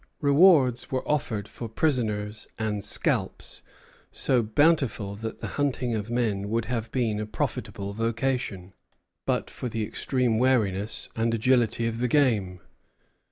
Rewards were offered for prisoners and scalps, so bountiful that the hunting of men would have been a profitable vocation, but for the extreme wariness and agility of the game.